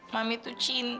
mami tuh cinta